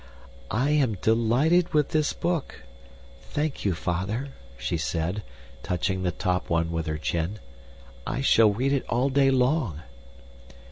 "I am delighted with this book. Thank you, Father," she said, touching the top one with her chin. "I shall read it all day long."